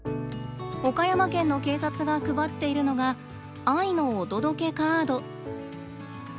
岡山県の警察が配っているのが「愛のお届けカード」。